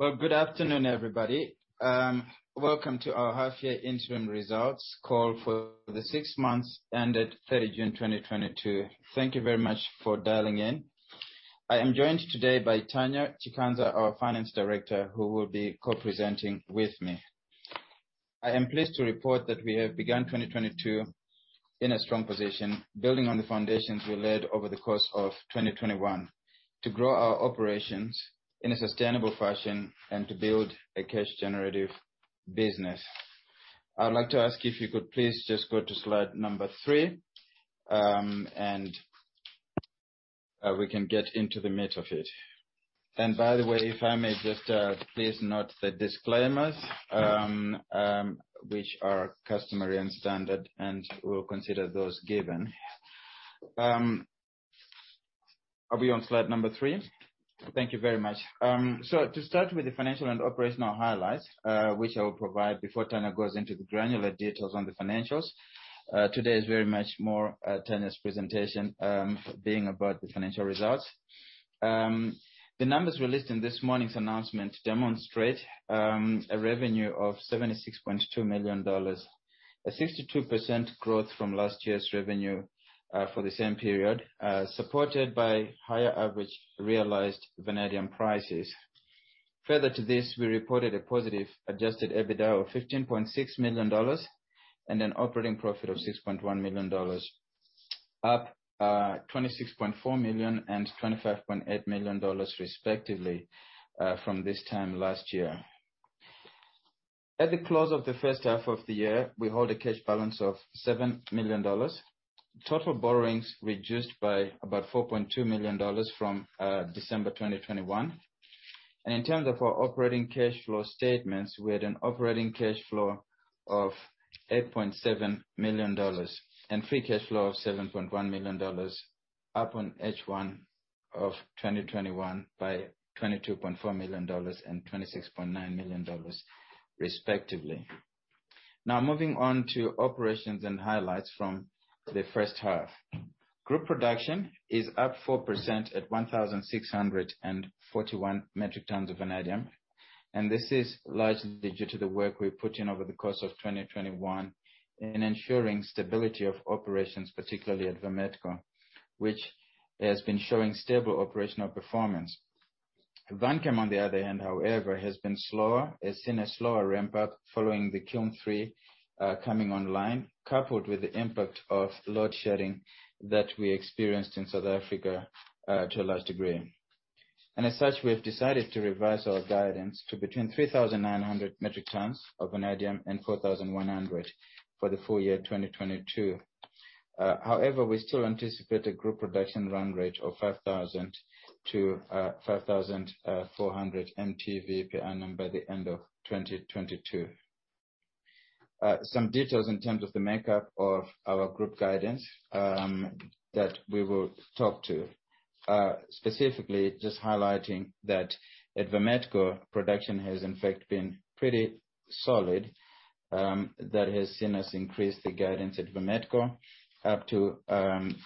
Well, good afternoon, everybody. Welcome to our half year interim results call for the six months ended 30 June 2022. Thank you very much for dialing in. I am joined today by Tanya Chikanza, our Finance Director, who will be co-presenting with me. I am pleased to report that we have begun 2022 in a strong position, building on the foundations we laid over the course of 2021 to grow our operations in a sustainable fashion and to build a cash generative business. I'd like to ask you if you could please just go to slide number three, and we can get into the meat of it. By the way, if I may just please note the disclaimers, which are customary and standard, and we'll consider those given. Are we on slide number three? Thank you very much. To start with the financial and operational highlights, which I will provide before Tanya goes into the granular details on the financials. Today is very much more Tanya's presentation, being about the financial results. The numbers we listed in this morning's announcement demonstrate a revenue of $76.2 million, a 62% growth from last year's revenue for the same period, supported by higher average realized vanadium prices. Further to this, we reported a positive adjusted EBITDA of $15.6 million and an operating profit of $6.1 million, up $26.4 million and $25.8 million respectively from this time last year. At the close of the first half of the year, we hold a cash balance of $7 million. Total borrowings reduced by about $4.2 million from December 2021. In terms of our operating cash flow statements, we had an operating cash flow of $8.7 million and free cash flow of $7.1 million, up on H1 of 2021 by $22.4 million and $26.9 million respectively. Now moving on to operations and highlights from the first half. Group production is up 4% at 1,641 metric tons of vanadium, and this is largely due to the work we put in over the course of 2021 in ensuring stability of operations, particularly at Vametco, which has been showing stable operational performance. Vanchem on the other hand, however, has been slower, has seen a slower ramp up following the Kiln 3 coming online, coupled with the impact of load shedding that we experienced in South Africa to a large degree. As such, we have decided to revise our guidance to between 3,900 metric tons of vanadium and 4,100 for the full year 2022. However, we still anticipate a group production run rate of 5,000-5,400 MTV per annum by the end of 2022. Some details in terms of the makeup of our group guidance that we will talk to. Specifically just highlighting that at Vametco, production has in fact been pretty solid, that has seen us increase the guidance at Vametco up to,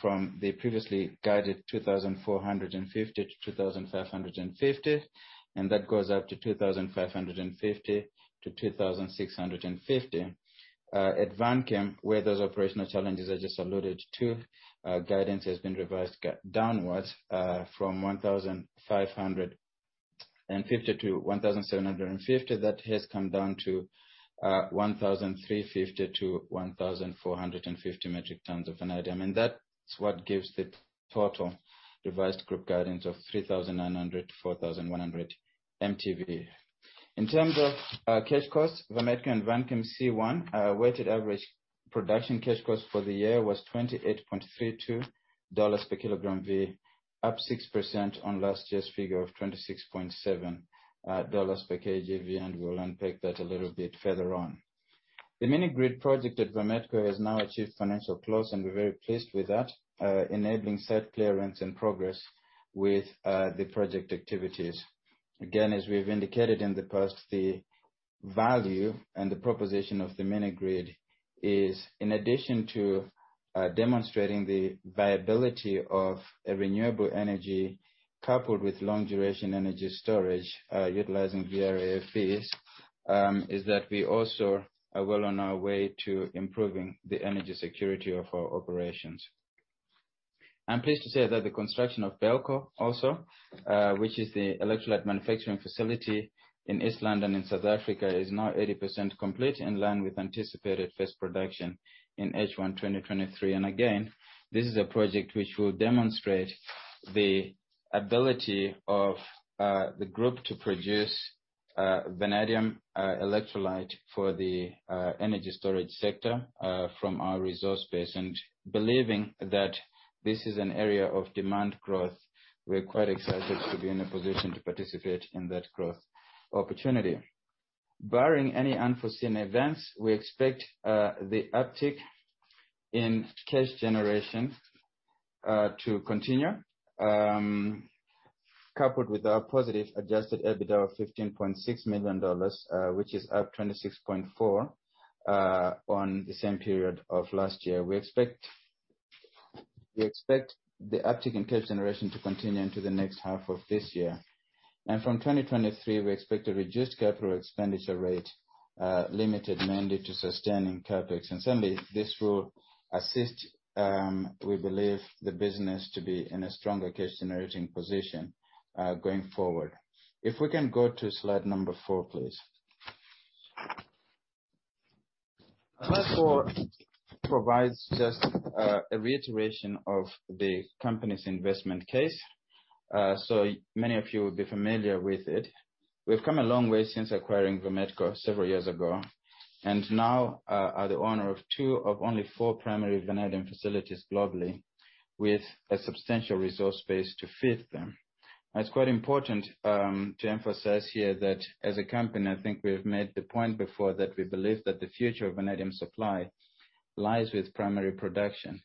from the previously guided 2,450-2,550, and that goes up to 2,550-2,650. At Vanchem, where those operational challenges I just alluded to, guidance has been revised downwards, from 1,550-1,750. That has come down to, 1,350-1,450 metric tons of vanadium. That is what gives the total revised group guidance of 3,900-4,100 MTV. In terms of cash costs, Vametco and Vanchem C1 weighted average production cash costs for the year was $28.32 per kg V, up 6% on last year's figure of $26.7 per kg V, and we'll unpack that a little bit further on. The mini-grid project at Vametco has now achieved financial close, and we're very pleased with that, enabling site clearance and progress with the project activities. Again, as we've indicated in the past, the value and the proposition of the mini-grid is in addition to demonstrating the viability of a renewable energy coupled with long duration energy storage, utilizing VRFBs, is that we also are well on our way to improving the energy security of our operations. I'm pleased to say that the construction of BELCO also, which is the electrolyte manufacturing facility in East London in South Africa, is now 80% complete in line with anticipated first production in H1 2023. Again, this is a project which will demonstrate the ability of the group to produce vanadium electrolyte for the energy storage sector from our resource base. Believing that this is an area of demand growth, we're quite excited to be in a position to participate in that growth opportunity. Barring any unforeseen events, we expect the uptick in cash generation to continue coupled with our positive adjusted EBITDA of $15.6 million, which is up 26.4% on the same period of last year. We expect the uptick in cash generation to continue into the next half of this year. From 2023, we expect a reduced capital expenditure rate, limited mainly to sustaining CapEx. Certainly, this will assist, we believe, the business to be in a stronger cash generating position, going forward. If we can go to slide four, please. Slide four provides just a reiteration of the company's investment case. So many of you will be familiar with it. We've come a long way since acquiring Vametco several years ago, and now are the owner of two of only four primary vanadium facilities globally with a substantial resource base to fit them. It's quite important to emphasize here that as a company, I think we have made the point before that we believe that the future of vanadium supply lies with primary production.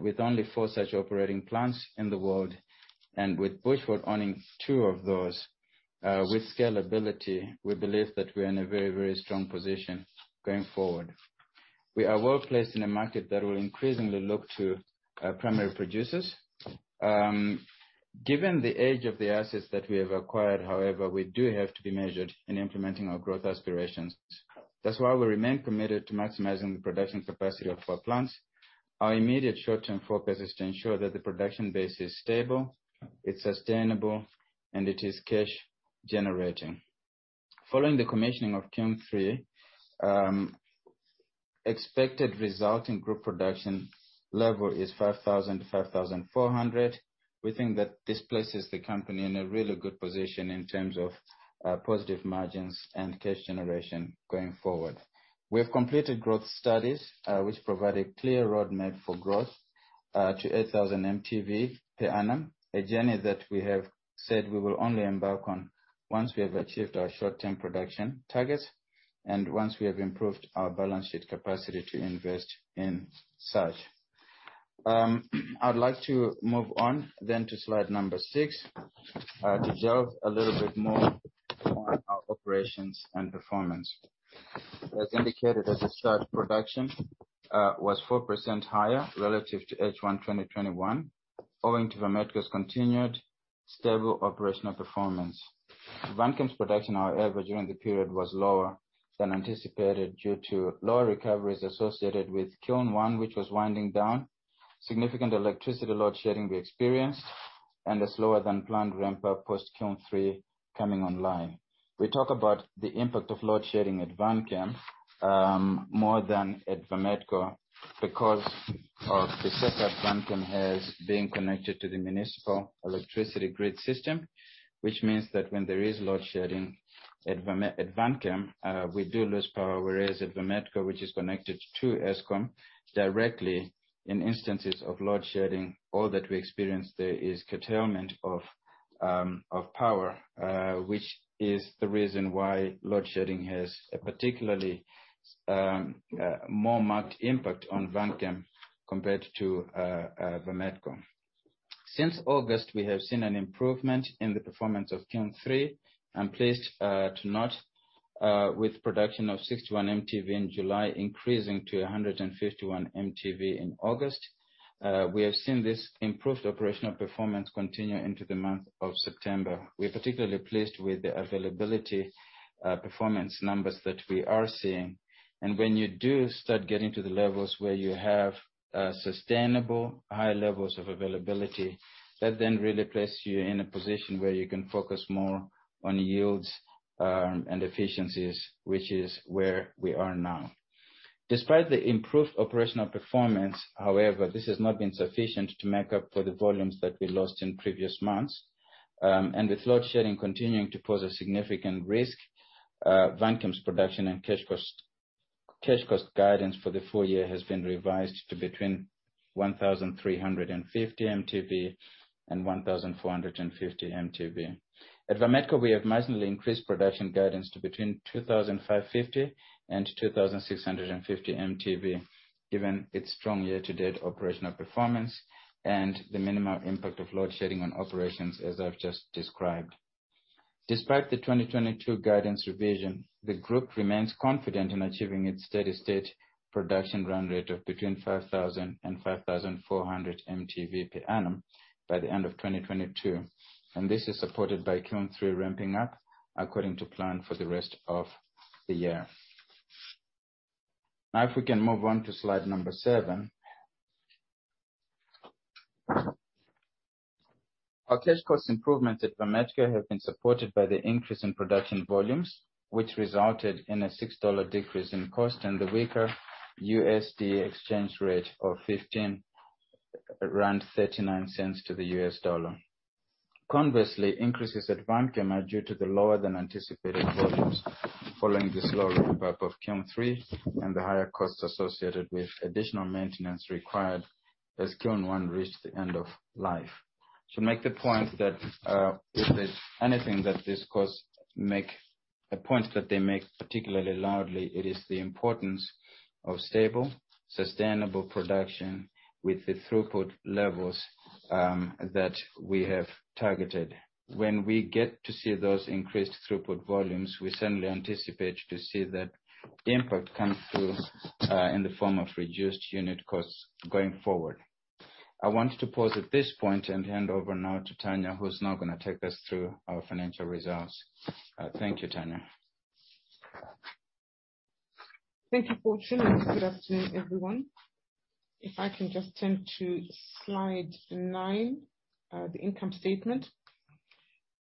With only four such operating plants in the world, and with Bushveld owning two of those, with scalability, we believe that we're in a very, very strong position going forward. We are well-placed in a market that will increasingly look to primary producers. Given the age of the assets that we have acquired, however, we do have to be measured in implementing our growth aspirations. That's why we remain committed to maximizing the production capacity of our plants. Our immediate short-term focus is to ensure that the production base is stable, it's sustainable, and it is cash generating. Following the commissioning of Kiln 3, expected result in group production level is 5,000-5,400. We think that this places the company in a really good position in terms of positive margins and cash generation going forward. We have completed growth studies, which provide a clear roadmap for growth to 8,000 MTV per annum. A journey that we have said we will only embark on once we have achieved our short-term production targets, and once we have improved our balance sheet capacity to invest in such. I'd like to move on then to slide number six to delve a little bit more on our operations and performance. As indicated at the start, production was 4% higher relative to H1 2021, owing to Vametco's continued stable operational performance. Vanchem's production, however, during the period was lower than anticipated due to lower recoveries associated with Kiln 1, which was winding down, significant electricity load shedding we experienced, and a slower than planned ramp up post Kiln 3 coming online. We talk about the impact of load shedding at Vanchem more than at Vametco because of the setup Vanchem has being connected to the municipal electricity grid system. Which means that when there is load shedding at Vanchem, we do lose power. Whereas at Vametco, which is connected to Eskom directly in instances of load shedding, all that we experience there is curtailment of power, which is the reason why load shedding has a particularly more marked impact on Vanchem compared to Vametco. Since August, we have seen an improvement in the performance of Kiln 3. I'm pleased to note with production of 61 MTV in July increasing to 151 MTV in August. We have seen this improved operational performance continue into the month of September. We're particularly pleased with the availability performance numbers that we are seeing. When you do start getting to the levels where you have sustainable high levels of availability, that then really places you in a position where you can focus more on yields and efficiencies, which is where we are now. Despite the improved operational performance, however, this has not been sufficient to make up for the volumes that we lost in previous months. With load shedding continuing to pose a significant risk, Vanchem's production and cash cost guidance for the full year has been revised to between 1,350 MTV and 1,450 MTV. At Vametco, we have massively increased production guidance to between 2,050 and 2,650 MTV, given its strong year-to-date operational performance and the minimal impact of load shedding on operations, as I've just described. Despite the 2022 guidance revision, the group remains confident in achieving its steady-state production run rate of between 5,000 and 5,400 MTV per annum by the end of 2022. This is supported by Kiln 3 ramping up according to plan for the rest of the year. Now, if we can move on to slide seven. Our cash cost improvements at Vametco have been supported by the increase in production volumes, which resulted in a $6 decrease in cost and the weaker USD exchange rate of 15.39 rand to the US dollar. Conversely, increases at Vanchem are due to the lower than anticipated volumes following the slow ramp up of Kiln 3 and the higher costs associated with additional maintenance required as Kiln 1 reached the end of life. To make the point that if there's anything that these costs make a point that they make particularly loudly, it is the importance of stable, sustainable production with the throughput levels that we have targeted. When we get to see those increased throughput volumes, we certainly anticipate to see that impact come through in the form of reduced unit costs going forward. I want to pause at this point and hand over now to Tanya, who's now gonna take us through our financial results. Thank you, Tanya. Thank you, Fortune. Good afternoon, everyone. If I can just turn to slide nine, the income statement.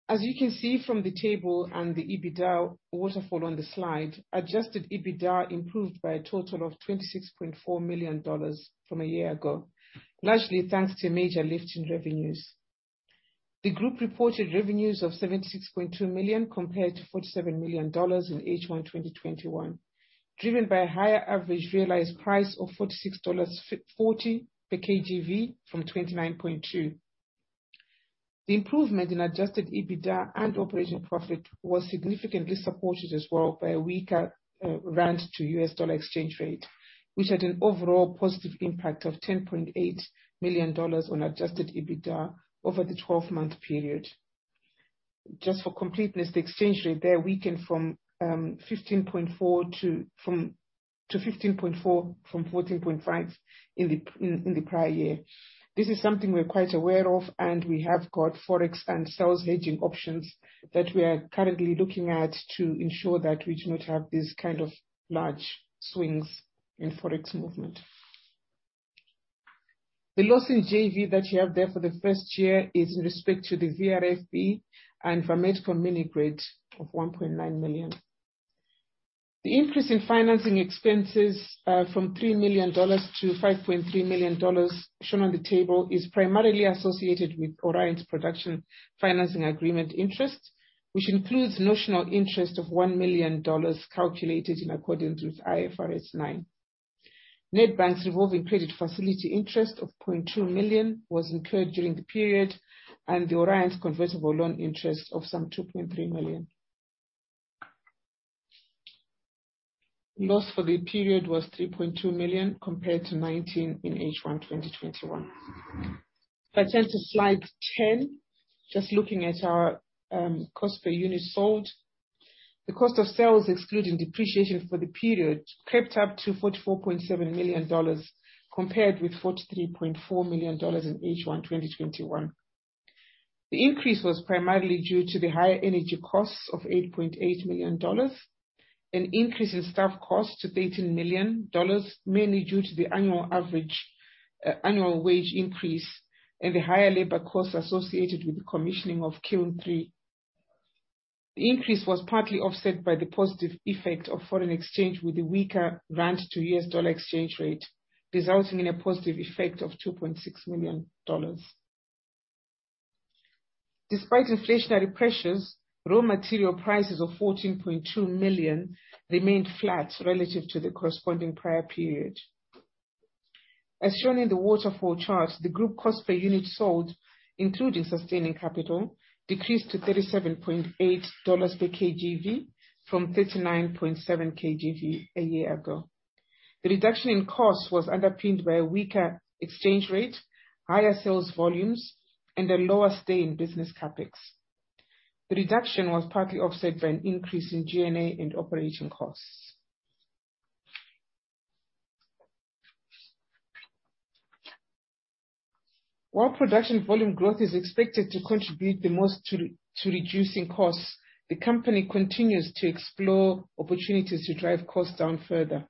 As you can see from the table and the EBITDA waterfall on the slide, adjusted EBITDA improved by a total of $26.4 million from a year ago, largely thanks to major lift in revenues. The group reported revenues of $76.2 million compared to $47 million in H1 2021. Driven by a higher average realized price of $46.40 per kg V from $29.2. The improvement in adjusted EBITDA and operating profit was significantly supported as well by a weaker rand to US dollar exchange rate, which had an overall positive impact of $10.8 million on adjusted EBITDA over the 12-month period. Just for completeness, the exchange rate there weakened to 15.4 from 14.5 in the prior year. This is something we're quite aware of, and we have got Forex and sales hedging options that we are currently looking at to ensure that we do not have these kind of large swings in Forex movement. The loss in JV that you have there for the first year is in respect to the VRFB and Vametco mini grid of $1.9 million. The increase in financing expenses from $3 million-$5.3 million shown on the table is primarily associated with Orion's production financing agreement interest, which includes notional interest of $1 million calculated in accordance with IFRS 9. Nedbank's revolving credit facility interest of $0.2 million was incurred during the period, and the Orion convertible loan interest of some $2.3 million. Loss for the period was $3.2 million compared to $19 million in H1 2021. If I turn to slide 10, just looking at our cost per unit sold. The cost of sales, excluding depreciation for the period, crept up to $44.7 million, compared with $43.4 million in H1 2021. The increase was primarily due to the higher energy costs of $8.8 million, an increase in staff costs to $13 million, mainly due to the annual wage increase, and the higher labor costs associated with the commissioning of Kiln 3. The increase was partly offset by the positive effect of foreign exchange with the weaker rand to US dollar exchange rate, resulting in a positive effect of $2.6 million. Despite inflationary pressures, raw material prices of $14.2 million remained flat relative to the corresponding prior period. As shown in the waterfall chart, the group cost per unit sold, including sustaining capital, decreased to $37.8 per kg V from $39.7 per kg V a year ago. The reduction in costs was underpinned by a weaker exchange rate, higher sales volumes, and a lower stay in business CapEx. The reduction was partly offset by an increase in G&A and operating costs. While production volume growth is expected to contribute the most to reducing costs, the company continues to explore opportunities to drive costs down further.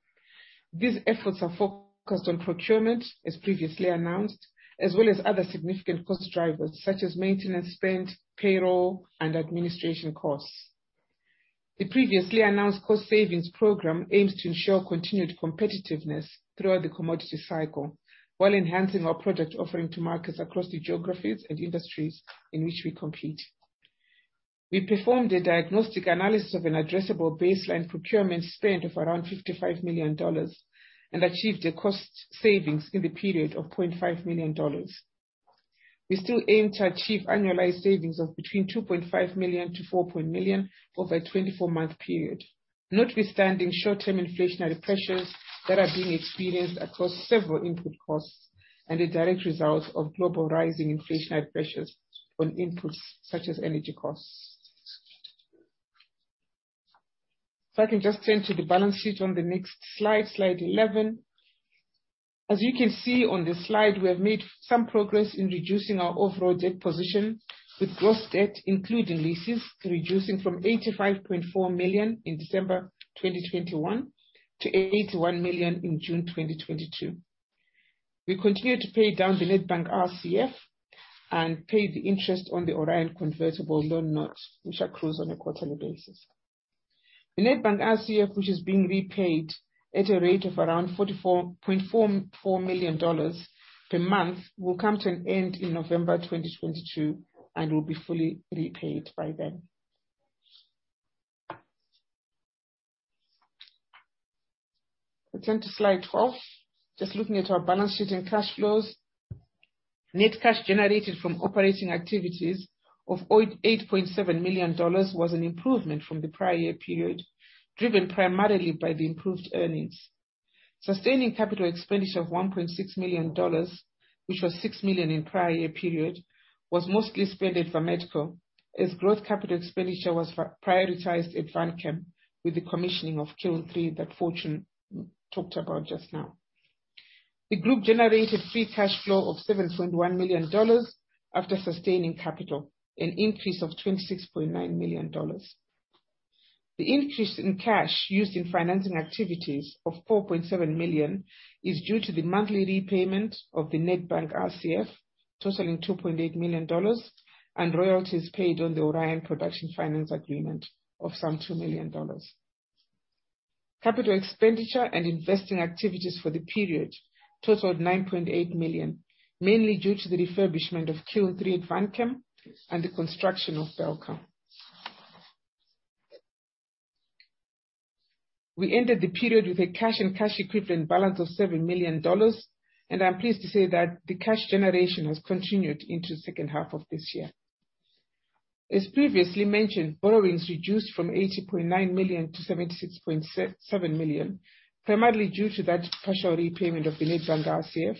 These efforts are focused on procurement, as previously announced, as well as other significant cost drivers such as maintenance spend, payroll, and administration costs. The previously announced cost savings program aims to ensure continued competitiveness throughout the commodity cycle, while enhancing our product offering to markets across the geographies and industries in which we compete. We performed a diagnostic analysis of an addressable baseline procurement spend of around $55 million, and achieved a cost savings in the period of $0.5 million. We still aim to achieve annualized savings of between $2.5 million-$4 million over a 24-month period. Notwithstanding short-term inflationary pressures that are being experienced across several input costs and a direct result of global rising inflationary pressures on inputs such as energy costs. I can just turn to the balance sheet on the next slide 11. As you can see on this slide, we have made some progress in reducing our overall debt position, with gross debt, including leases, reducing from $85.4 million in December 2021 to $81 million in June 2022. We continue to pay down the Nedbank RCF and pay the interest on the Orion convertible loan notes, which accrues on a quarterly basis. The Nedbank RCF, which is being repaid at a rate of around $44.4 million per month, will come to an end in November 2022 and will be fully repaid by then. If we turn to slide 12. Just looking at our balance sheet and cash flows. Net cash generated from operating activities of $8.7 million was an improvement from the prior year period, driven primarily by the improved earnings. Sustaining capital expenditure of $1.6 million, which was $6 million in prior year period, was mostly spent at Vametco, as growth capital expenditure was prioritized at Vanchem with the commissioning of Kiln 3 that Fortune talked about just now. The group generated free cash flow of $7.1 million after sustaining capital, an increase of $26.9 million. The increase in cash used in financing activities of $4.7 million is due to the monthly repayment of the Nedbank RCF, totaling $2.8 million, and royalties paid on the Orion production finance agreement of some $2 million. Capital expenditure and investing activities for the period totaled $9.8 million, mainly due to the refurbishment of Kiln 3 at Vanchem and the construction of BELCO. We ended the period with a cash and cash equivalent balance of $7 million, and I'm pleased to say that the cash generation has continued into second half of this year. As previously mentioned, borrowings reduced from $80.9 million to $76.7 million, primarily due to that partial repayment of the Nedbank RCF,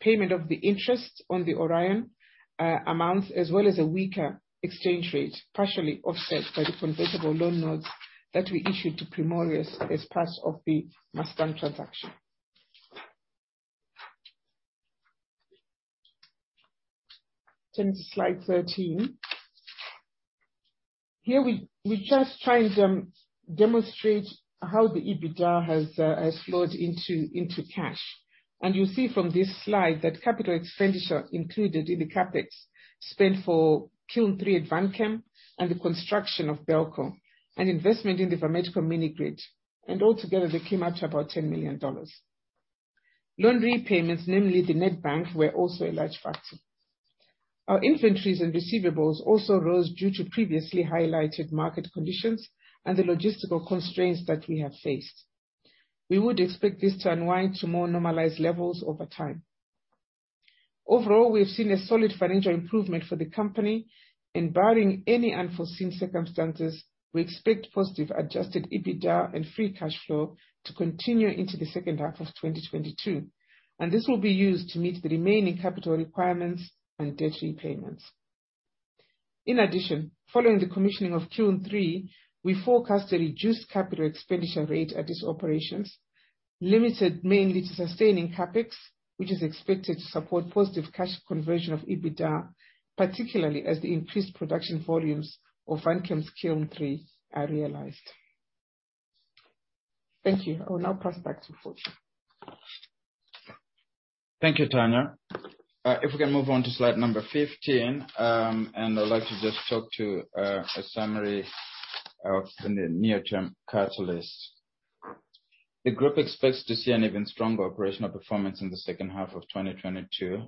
payment of the interest on the Orion amounts, as well as a weaker exchange rate, partially offset by the convertible loan notes that we issued to Primorus as part of the Mustang transaction. Turning to Slide 13. Here we just trying demonstrate how the EBITDA has flowed into cash. You'll see from this slide that capital expenditure included in the CapEx spent for Kiln 3 at Vanchem and the construction of BELCO and investment in the Vametco mini grid, and altogether they came out to about $10 million. Loan repayments, namely the Nedbank, were also a large factor. Our inventories and receivables also rose due to previously highlighted market conditions and the logistical constraints that we have faced. We would expect this to unwind to more normalized levels over time. Overall, we have seen a solid financial improvement for the company, and barring any unforeseen circumstances, we expect positive adjusted EBITDA and free cash flow to continue into the second half of 2022, and this will be used to meet the remaining capital requirements and debt repayments. In addition, following the commissioning of Kiln 3, we forecast a reduced capital expenditure rate at these operations, limited mainly to sustaining CapEx, which is expected to support positive cash conversion of EBITDA, particularly as the increased production volumes of Vanchem's Kiln 3 are realized. Thank you. I will now pass it back to Fortune. Thank you, Tanya. If we can move on to slide number 15, and I'd like to just talk through a summary of the near-term catalysts. The group expects to see an even stronger operational performance in the second half of 2022.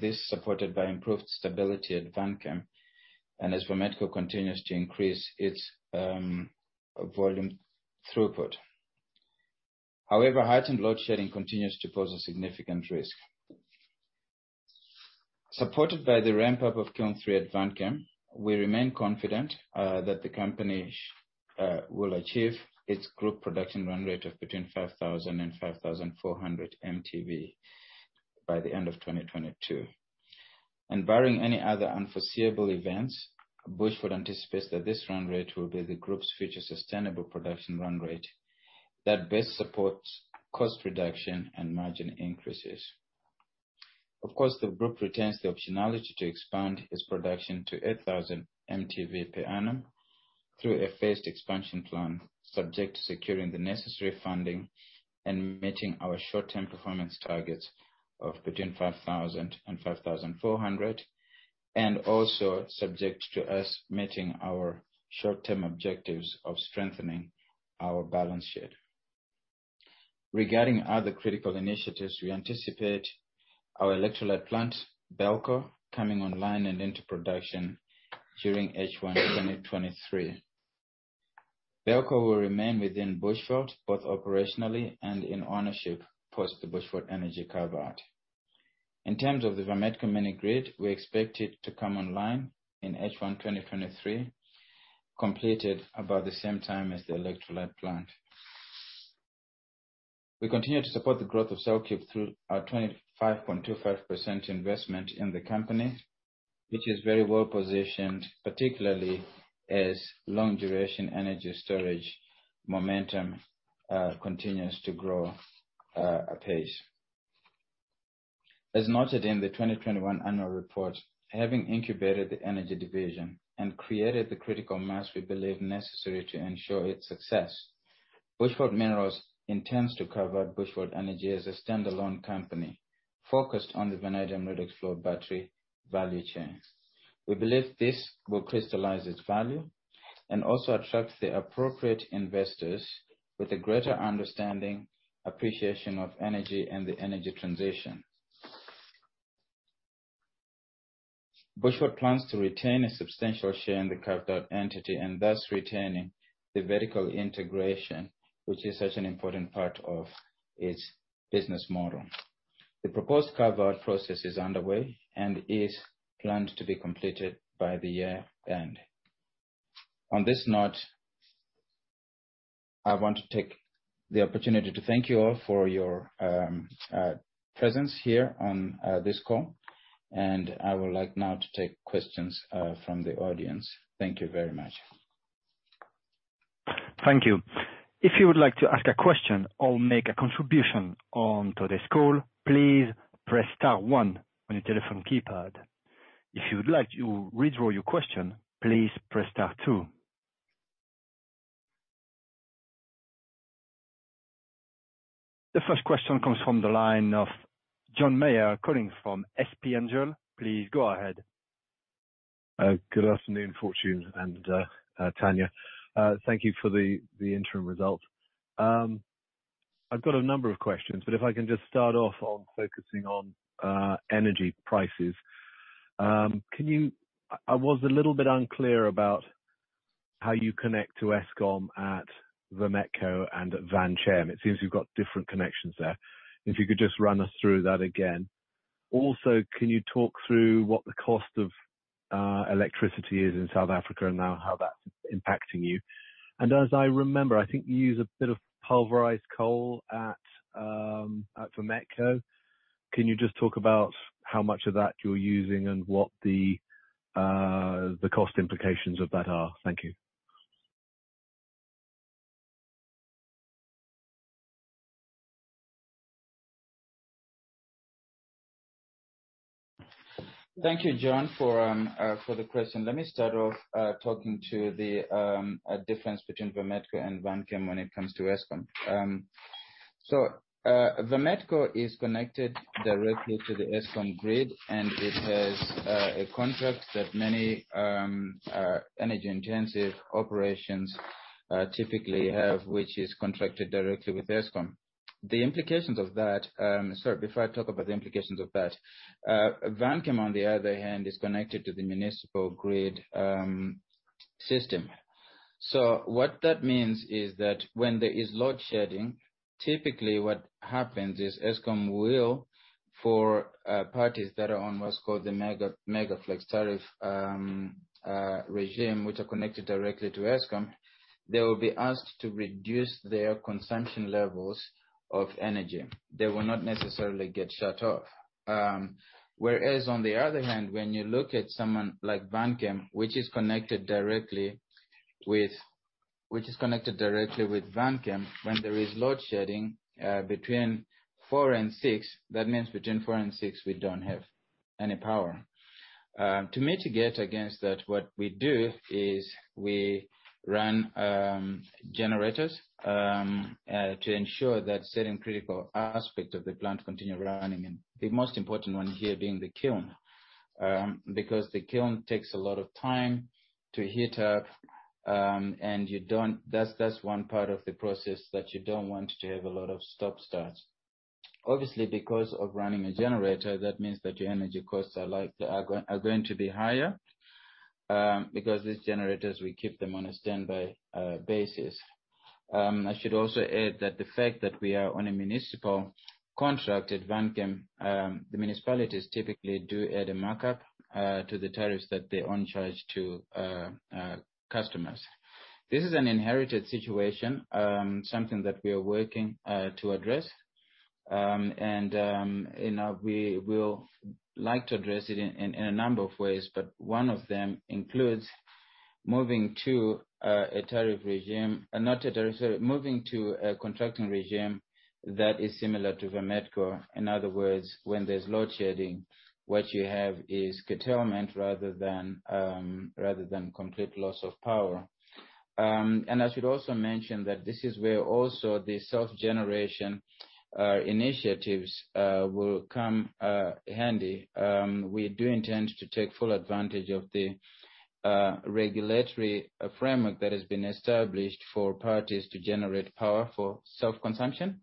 This supported by improved stability at Vanchem and as Vametco continues to increase its volume throughput. However, heightened load shedding continues to pose a significant risk. Supported by the ramp-up of Kiln 3 at Vanchem, we remain confident that the company will achieve its group production run rate of between 5,000 and 5,400 MTV by the end of 2022. Barring any other unforeseeable events, Bushveld anticipates that this run rate will be the group's future sustainable production run rate that best supports cost reduction and margin increases. Of course, the group retains the optionality to expand its production to 8,000 MTV per annum through a phased expansion plan, subject to securing the necessary funding and meeting our short-term performance targets of between 5,000 and 5,400, and also subject to us meeting our short-term objectives of strengthening our balance sheet. Regarding other critical initiatives, we anticipate our electrolyte plant, BELCO, coming online and into production during H1 2023. BELCO will remain within Bushveld, both operationally and in ownership, post the Bushveld Energy carve-out. In terms of the Vametco hybrid mini-grid, we expect it to come online in H1 2023, completed about the same time as the electrolyte plant. We continue to support the growth of CellCube through our 25.25% investment in the company, which is very well positioned, particularly as long-duration energy storage momentum continues to grow apace. As noted in the 2021 annual report, having incubated the energy division and created the critical mass we believe necessary to ensure its success, Bushveld Minerals intends to carve out Bushveld Energy as a standalone company focused on the vanadium redox flow battery value chain. We believe this will crystallize its value and also attract the appropriate investors with a greater understanding, appreciation of energy and the energy transition. Bushveld plans to retain a substantial share in the carved-out entity and thus retaining the vertical integration, which is such an important part of its business model. The proposed carve-out process is underway and is planned to be completed by the year end. On this note, I want to take the opportunity to thank you all for your presence here on this call. I would like now to take questions from the audience. Thank you very much. Thank you. If you would like to ask a question or make a contribution on to this call, please press star one on your telephone keypad. If you would like to withdraw your question, please press star two. The first question comes from the line of John Meyer calling from SP Angel, please go ahead. Good afternoon, Fortune and Tanya. Thank you for the interim results. I've got a number of questions, but if I can just start off on focusing on energy prices. I was a little bit unclear about how you connect to Eskom at Vametco and at Vanchem. It seems you've got different connections there. If you could just run us through that again. Also, can you talk through what the cost of electricity is in South Africa and now how that's impacting you? As I remember, I think you use a bit of pulverized coal at Vametco. Can you just talk about how much of that you're using and what the cost implications of that are? Thank you. Thank you, John, for the question. Let me start off talking to the difference between Vametco and Vanchem when it comes to Eskom. Vametco is connected directly to the Eskom grid, and it has a contract that many energy intensive operations typically have, which is contracted directly with Eskom. The implications of that. Sorry, before I talk about the implications of that, Vanchem, on the other hand, is connected to the municipal grid system. What that means is that when there is load shedding, typically what happens is Eskom will, for parties that are on what's called the Megaflex tariff regime, which are connected directly to Eskom, they will be asked to reduce their consumption levels of energy. They will not necessarily get shut off. Whereas on the other hand, when you look at someone like Vanchem, which is connected directly with Vanchem, when there is load shedding between four and six, that means we don't have any power. To mitigate against that, what we do is we run generators to ensure that certain critical aspect of the plant continue running, and the most important one here being the Kiln. Because the Kiln takes a lot of time to heat up, that's one part of the process that you don't want to have a lot of stop-starts. Obviously, because of running a generator, that means that your energy costs are going to be higher, because these generators we keep them on a standby basis. I should also add that the fact that we are on a municipal contract at Vanchem, the municipalities typically do add a markup to the tariffs that they on-charge to customers. This is an inherited situation, something that we are working to address. You know, we will like to address it in a number of ways, but one of them includes moving to a contracting regime that is similar to Vametco. In other words, when there's load shedding, what you have is curtailment rather than complete loss of power. I should also mention that this is where the self-generation initiatives will come in handy. We do intend to take full advantage of the regulatory framework that has been established for parties to generate power for self-consumption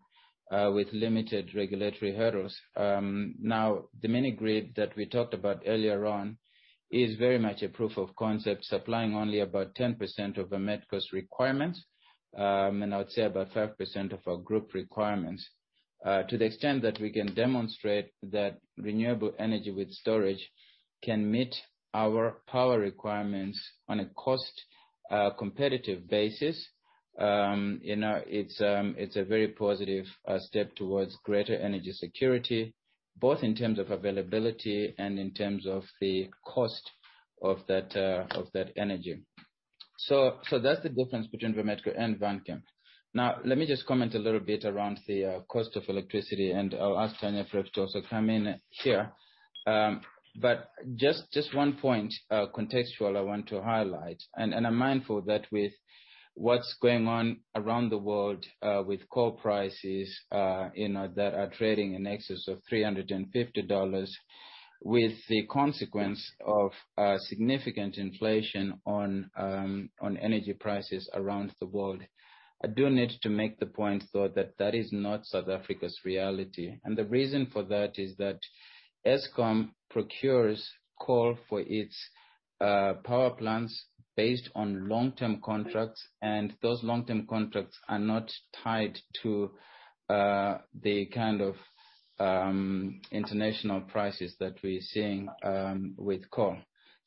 with limited regulatory hurdles. Now, the mini grid that we talked about earlier on is very much a proof of concept, supplying only about 10% of Vametco's requirements, and I would say about 5% of our group requirements. To the extent that we can demonstrate that renewable energy with storage can meet our power requirements on a cost competitive basis, you know, it's a very positive step towards greater energy security, both in terms of availability and in terms of the cost of that energy. That's the difference between Vametco and Vanchem. Now, let me just comment a little bit around the cost of electricity, and I'll ask Tanya perhaps to also come in here. But just one point, contextual I want to highlight, and I'm mindful that with what's going on around the world, with coal prices, you know, that are trading in excess of $350, with the consequence of significant inflation on energy prices around the world. I do need to make the point, though, that that is not South Africa's reality. The reason for that is that Eskom procures coal for its power plants based on long-term contracts, and those long-term contracts are not tied to the kind of international prices that we're seeing with coal.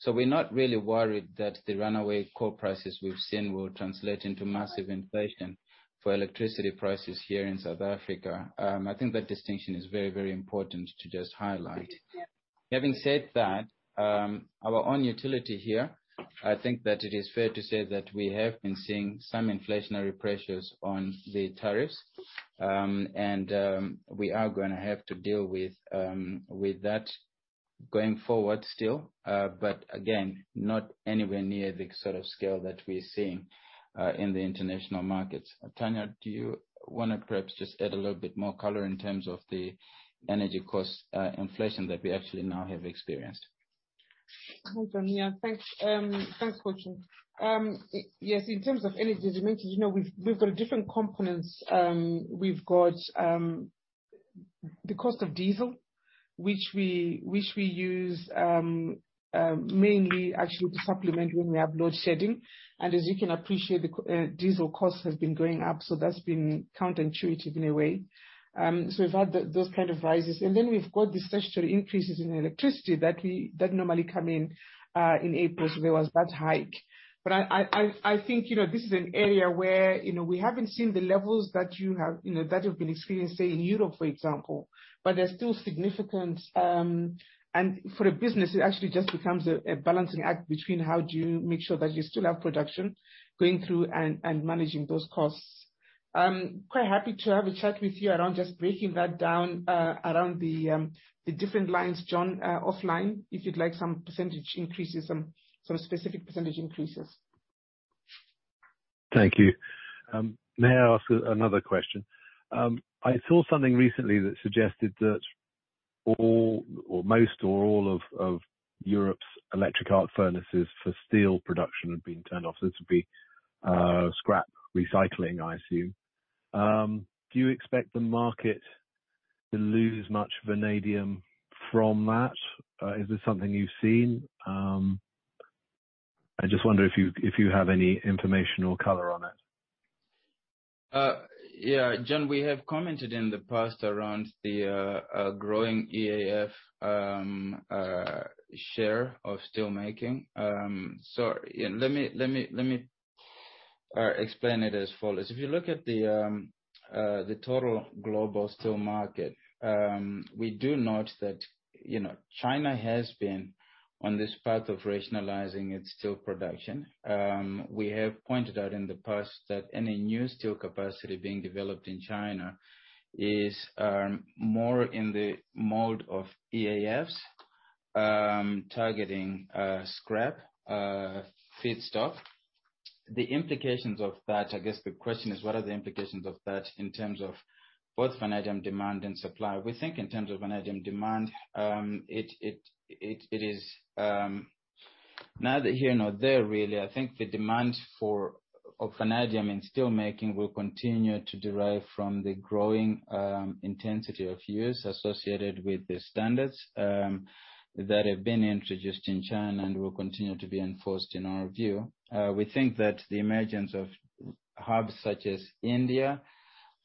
We're not really worried that the runaway coal prices we've seen will translate into massive inflation for electricity prices here in South Africa. I think that distinction is very, very important to just highlight. Having said that, our own utility here, I think that it is fair to say that we have been seeing some inflationary pressures on the tariffs. We are gonna have to deal with that going forward still. Again, not anywhere near the sort of scale that we're seeing in the international markets. Tania, do you wanna perhaps just add a little bit more color in terms of the energy cost inflation that we actually now have experienced? Well done. Yeah. Thanks. Thanks, Fortune. Yes, in terms of energy, as you mentioned, you know, we've got different components. We've got the cost of diesel, which we use mainly actually to supplement when we have load shedding. As you can appreciate, the diesel cost has been going up, so that's been counterintuitive in a way. We've had those kind of rises. We've got the statutory increases in electricity that normally come in in April. There was that hike. I think, you know, this is an area where, you know, we haven't seen the levels that you have, you know, that you've been experiencing say in Europe, for example. They're still significant. For a business, it actually just becomes a balancing act between how do you make sure that you still have production going through and managing those costs. I'm quite happy to have a chat with you around just breaking that down around the different lines, John, offline, if you'd like some percentage increases, some specific percentage increases. Thank you. May I ask another question? I saw something recently that suggested that all or most, or all of Europe's electric arc furnaces for steel production had been turned off. This would be scrap recycling, I assume. Do you expect the market to lose much vanadium from that? Is this something you've seen? I just wonder if you have any information or color on it. Yeah. John, we have commented in the past around the growing EAF share of steelmaking. Let me explain it as follows. If you look at the total global steel market, we do note that, you know, China has been on this path of rationalizing its steel production. We have pointed out in the past that any new steel capacity being developed in China is more in the mode of EAFs, targeting scrap feedstock. The implications of that, I guess the question is what are the implications of that in terms of both vanadium demand and supply? We think in terms of vanadium demand, it is neither here nor there really. I think the demand for vanadium in steelmaking will continue to drive from the growing intensity of use associated with the standards that have been introduced in China and will continue to be enforced in our view. We think that the emergence of hubs such as India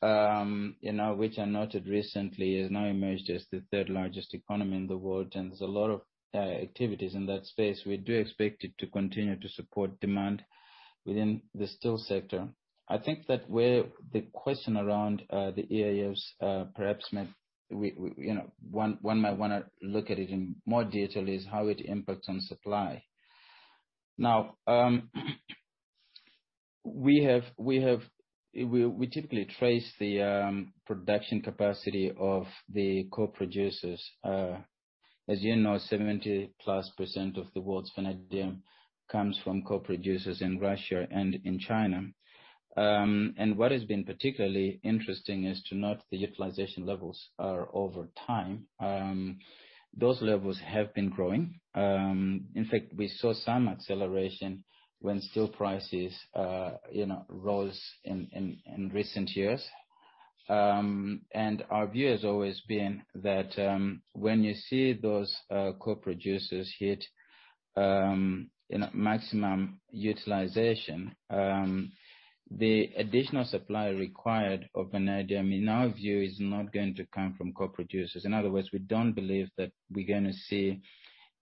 you know which are noted recently has now emerged as the third largest economy in the world, and there's a lot of activities in that space. We do expect it to continue to support demand within the steel sector. I think that where the question around the EAFs you know one might wanna look at it in more detail is how it impacts on supply. Now we typically trace the production capacity of the co-producers. As you know, 70%+ of the world's vanadium comes from co-producers in Russia and in China. What has been particularly interesting is to note the utilization levels are over time. Those levels have been growing. In fact, we saw some acceleration when steel prices, you know, rose in recent years. Our view has always been that, when you see those co-producers hit, you know, maximum utilization, the additional supply required of vanadium, in our view, is not going to come from co-producers. In other words, we don't believe that we're gonna see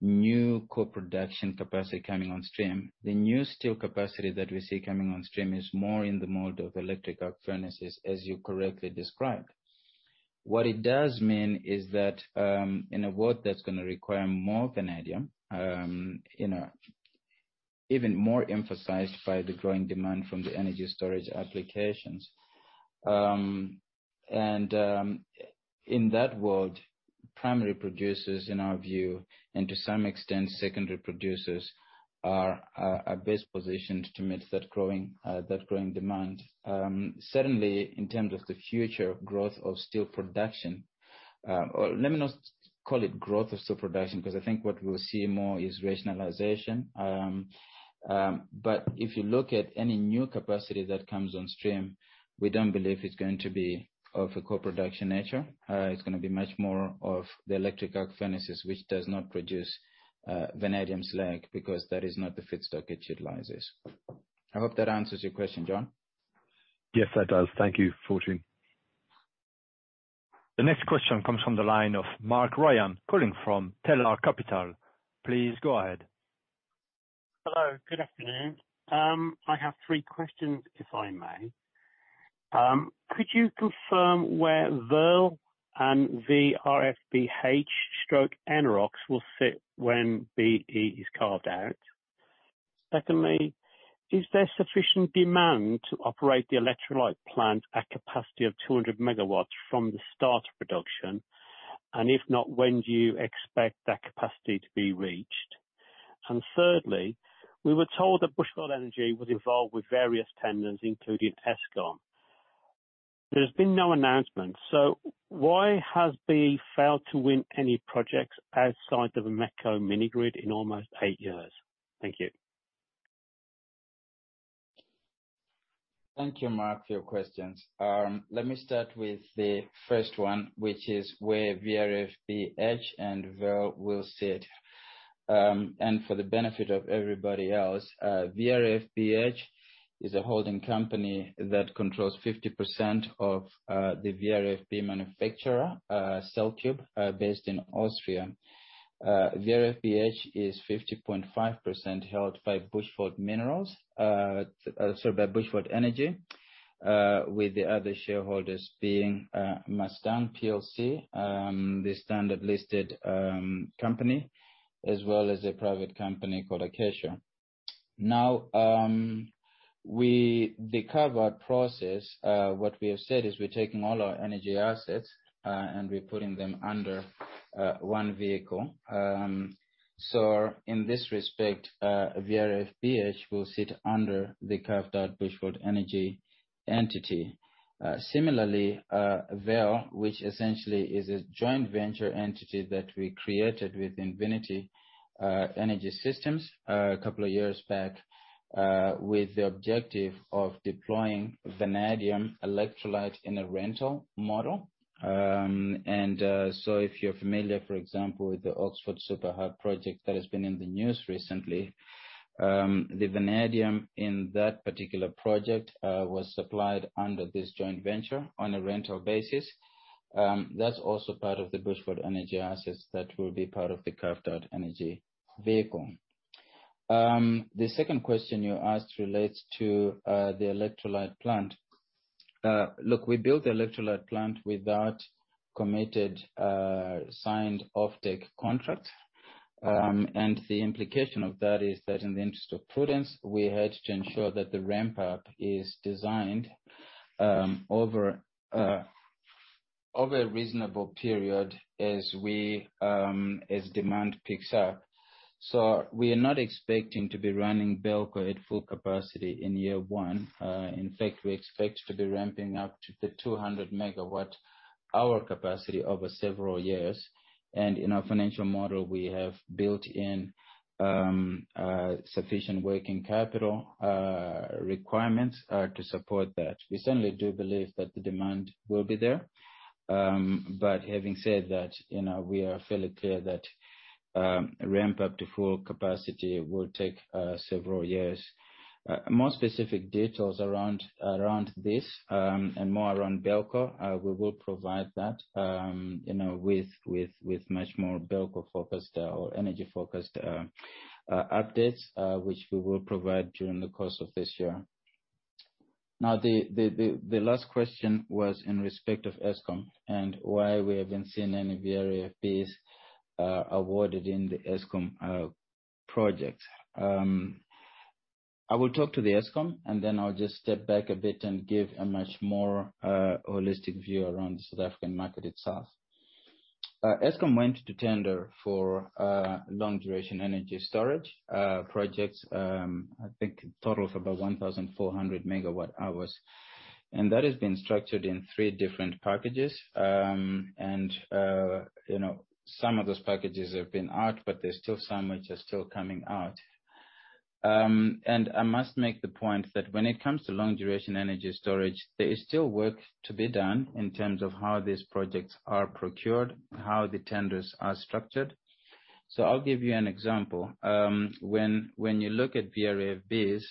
new co-production capacity coming on stream. The new steel capacity that we see coming on stream is more in the mode of electric arc furnaces, as you correctly described. What it does mean is that, in a world that's gonna require more vanadium, you know, even more emphasized by the growing demand from the energy storage applications. In that world, primary producers, in our view, and to some extent secondary producers, are best positioned to meet that growing demand. Certainly, in terms of the future growth of steel production, or let me not call it growth of steel production, because I think what we'll see more is rationalization. If you look at any new capacity that comes on stream, we don't believe it's going to be of a co-production nature. It's gonna be much more of the electric arc furnaces, which does not produce vanadium slag because that is not the feedstock it utilizes. I hope that answers your question, John. Yes, that does. Thank you, Fortune. The next question comes from the line of Mark Ryan calling from Tellur Capital. Please go ahead. Hello, good afternoon. I have three questions, if I may. Could you confirm where VEL and VRFB-H/Enerox will fit when BE is carved out? Secondly, is there sufficient demand to operate the electrolyte plant at capacity of 200 megawatts from the start of production? And if not, when do you expect that capacity to be reached? And thirdly, we were told that Bushveld Energy was involved with various tenders, including Eskom. There's been no announcement. Why has BE failed to win any projects outside the Vametco mini grid in almost eight years? Thank you. Thank you, Mark, for your questions. Let me start with the first one, which is where VRFB-H and VEL will sit. For the benefit of everybody else, VRFB-H is a holding company that controls 50% of the VRFB manufacturer, CellCube, based in Austria. VRFB-H is 50.5% held by Bushveld Energy, sorry, with the other shareholders being Mustang Energy PLC, the London-listed company, as well as a private company called Acacia. Now, the carve-out process, what we have said is we're taking all our energy assets, and we're putting them under one vehicle. In this respect, VRFB-H will sit under the carve-out Bushveld Energy entity. Similarly, VEL, which essentially is a joint venture entity that we created with Invinity Energy Systems a couple of years back, with the objective of deploying vanadium electrolyte in a rental model. If you're familiar, for example, with the Energy Superhub Oxford project that has been in the news recently, the vanadium in that particular project was supplied under this joint venture on a rental basis. That's also part of the Bushveld Energy assets that will be part of the carved out energy vehicle. The second question you asked relates to the electrolyte plant. Look, we built the electrolyte plant without committed signed offtake contracts. The implication of that is that in the interest of prudence, we had to ensure that the ramp up is designed over a reasonable period as demand picks up. We are not expecting to be running BELCO at full capacity in year one. In fact, we expect to be ramping up to the 200 MWh capacity over several years. In our financial model, we have built in sufficient working capital requirements to support that. We certainly do believe that the demand will be there. Having said that, you know, we are fairly clear that ramp up to full capacity will take several years. More specific details around this and more around BELCO, we will provide that, you know, with much more BELCO-focused or energy-focused updates, which we will provide during the course of this year. Now, the last question was in respect of Eskom and why we haven't seen any VRFBs awarded in the Eskom project. I will talk to the Eskom, and then I'll just step back a bit and give a much more holistic view around the South African market itself. Eskom went to tender for long duration energy storage projects, I think a total of about 1,400 MWh. That has been structured in three different packages. You know, some of those packages have been out, but there's still some which are still coming out. I must make the point that when it comes to long duration energy storage, there is still work to be done in terms of how these projects are procured, how the tenders are structured. I'll give you an example. When you look at VRFBs,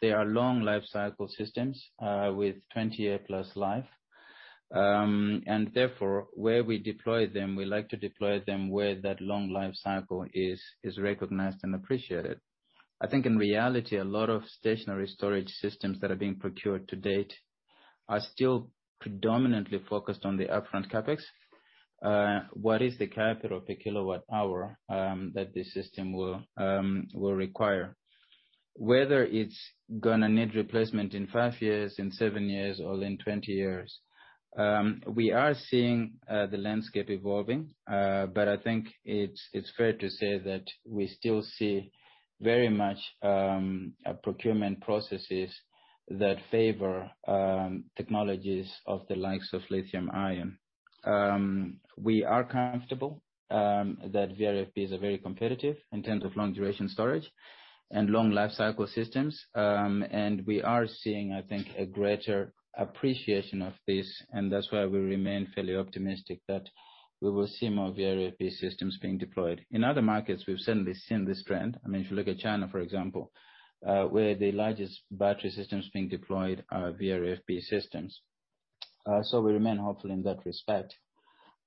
they are long lifecycle systems with 20-year-plus life. Therefore, where we deploy them, we like to deploy them where that long lifecycle is recognized and appreciated. I think in reality, a lot of stationary storage systems that are being procured to date are still predominantly focused on the upfront CapEx. What is the capital per kilowatt hour that the system will require? Whether it's gonna need replacement in five years, in seven years or in 20 years. We are seeing the landscape evolving, but I think it's fair to say that we still see very much procurement processes that favor technologies of the likes of lithium-ion. We are comfortable that VRFBs are very competitive in terms of long duration storage and long lifecycle systems. We are seeing, I think, a greater appreciation of this, and that's why we remain fairly optimistic that we will see more VRFB systems being deployed. In other markets, we've certainly seen this trend. I mean, if you look at China, for example, where the largest battery systems being deployed are VRFB systems. So we remain hopeful in that respect.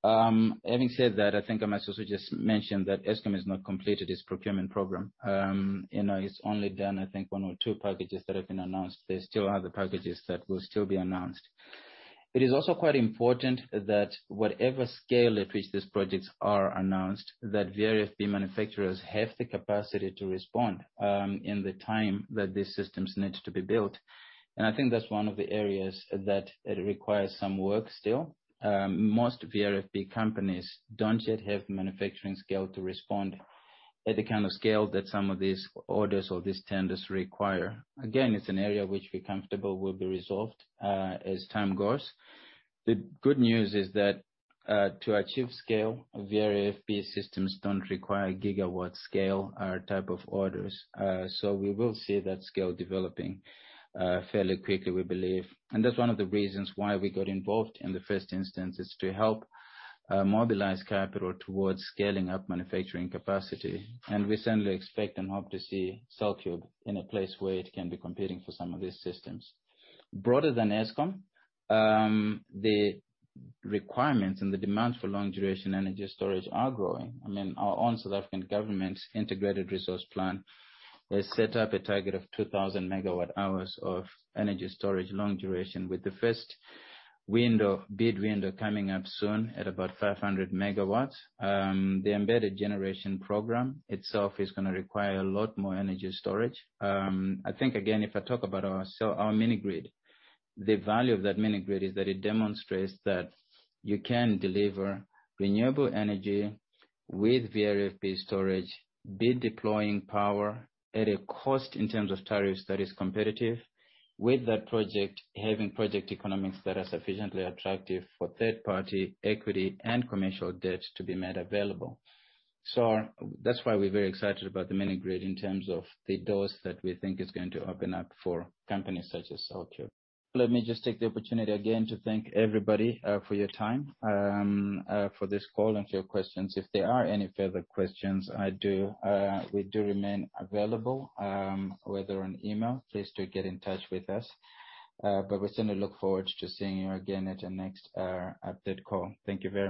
Having said that, I think I must also just mention that Eskom has not completed its procurement program. You know, it's only done, I think, one or two packages that have been announced. There's still other packages that will still be announced. It is also quite important that whatever scale at which these projects are announced, that VRFB manufacturers have the capacity to respond in the time that these systems need to be built. I think that's one of the areas that it requires some work still. Most VRFB companies don't yet have manufacturing scale to respond at the kind of scale that some of these orders or these tenders require. It's an area which we're comfortable will be resolved as time goes. The good news is that to achieve scale, VRFB systems don't require gigawatt scale type of orders. We will see that scale developing fairly quickly, we believe. That's one of the reasons why we got involved in the first instance, is to help mobilize capital towards scaling up manufacturing capacity. We certainly expect and hope to see CellCube in a place where it can be competing for some of these systems. Broader than Eskom, the requirements and the demand for long duration energy storage are growing. I mean, our own South African government's Integrated Resource Plan has set up a target of 2,000 MWh of energy storage long duration, with the first window, bid window coming up soon at about 500 MW. The embedded generation program itself is gonna require a lot more energy storage. I think again, if I talk about our mini grid, the value of that mini grid is that it demonstrates that you can deliver renewable energy with VRFB storage, by deploying power at a cost in terms of tariffs that is competitive, with that project having project economics that are sufficiently attractive for third-party equity and commercial debt to be made available. That's why we're very excited about the mini grid in terms of the doors that we think is going to open up for companies such as CellCube. Let me just take the opportunity again to thank everybody for your time for this call and for your questions. If there are any further questions, I do, we do remain available, whether on email, please do get in touch with us. We certainly look forward to seeing you again at the next update call. Thank you very much.